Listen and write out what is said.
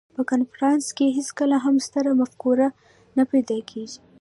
په کنفرانس کې هېڅکله هم ستره مفکوره نه پیدا کېږي.